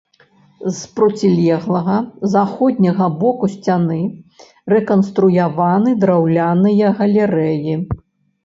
З процілеглага, заходняга боку сцяны рэканструяваны драўляныя галерэі.